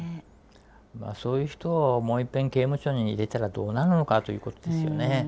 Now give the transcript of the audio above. まあそういう人をもういっぺん刑務所に入れたらどうなるのかということですよね。